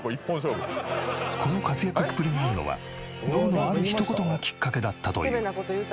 この活躍っぷりにあるのはノブのある一言がきっかけだったという。